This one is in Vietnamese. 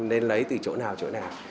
nên lấy từ chỗ nào chỗ nào